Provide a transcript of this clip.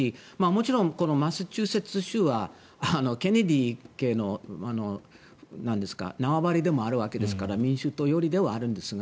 もちろんこのマサチューセッツ州はケネディ家の縄張りでもあるわけですから民主党寄りではあるんですが。